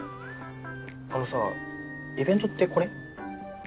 あのさイベントってこれ？